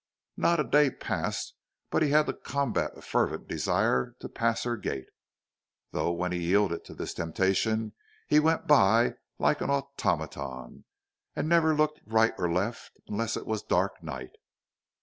Not a day passed but he had to combat a fervent desire to pass her gate, though when he yielded to this temptation he went by like an automaton, and never looked to right or left unless it was dark night.